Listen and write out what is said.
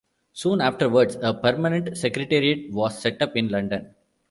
Soon afterwards, a permanent secretariat was set up in London.